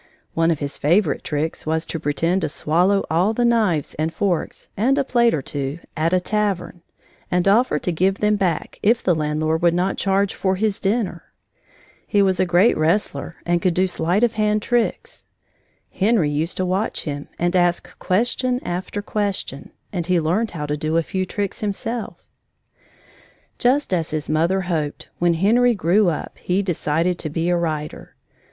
One of his favorite tricks was to pretend to swallow all the knives and forks, and a plate or two, at a tavern, and offer to give them back if the landlord would not charge for his dinner. He was a great wrestler and could do sleight of hand tricks. Henry used to watch him and ask question after question, and he learned how to do a few tricks himself. Just as his mother hoped, when Henry grew up, he decided to be a writer.